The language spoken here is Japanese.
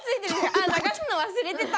「あ流すの忘れてた」。